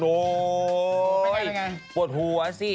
โหปวดหัวสิ